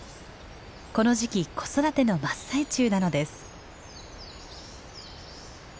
この時期子育ての真っ最中なのです。